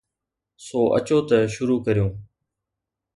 سو اچو ته شروع ڪريون.